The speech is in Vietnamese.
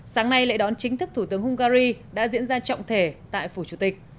sáng nay lễ đón chính thức thủ tướng hungary đã diễn ra trọng thể tại phủ chủ tịch